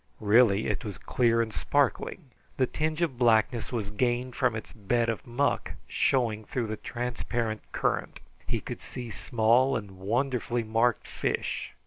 Really it was clear and sparkling. The tinge of blackness was gained from its bed of muck showing through the transparent current. He could see small and wonderfully marked fish.